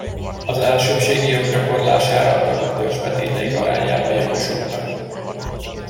Az elsőbbségi jog gyakorlására a tagok törzsbetéteik arányában jogosultak.